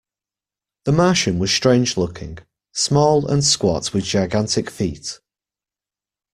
The Martian was strange-looking: small and squat with gigantic feet.